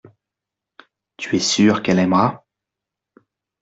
Tu es sûr qu’elle aimera.